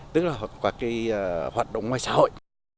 tức là hoạt động ngoài xã hội